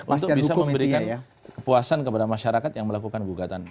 untuk bisa memberikan kepuasan kepada masyarakat yang melakukan gugatan